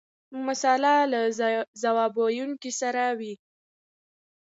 مساله له ځواب ویونکي سره وي.